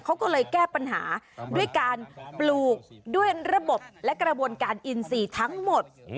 เขาก็เลยแก้ปัญหาด้วยการปลูกด้วยระบบและกระบวนการอินทรีย์ทั้งหมด